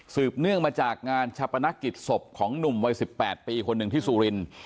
เนื่องมาจากงานชาปนกิจศพของหนุ่มวัย๑๘ปีคนหนึ่งที่สุรินทร์